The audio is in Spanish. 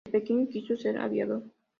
De pequeño quiso ser aviador.